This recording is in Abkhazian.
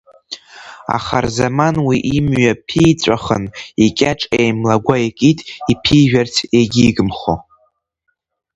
Ахарзаман уи имҩа ԥиҵәахын, икьаҿ еимлагәа икит, иԥижәарц егьигымхо.